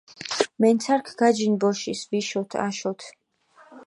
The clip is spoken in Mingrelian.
მენცარქ გაჯინჷ ბოშის ვიშოთ, აშოთ.